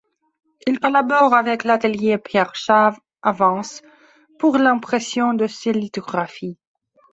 Il collabore avec l'atelier Pierre Chave à Vence pour l'impression de ses lithographies.